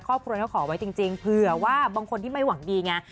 ครอบครัวเขาขอไว้จริงเผื่อว่าบางคนที่ไม่หวังดีไง